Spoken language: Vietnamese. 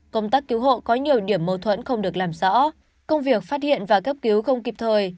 công tác cứu hộ có nhiều điểm mâu thuẫn không được làm rõ công việc phát hiện và cấp cứu không kịp thời